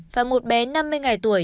và một bé năm mươi ngày tuổi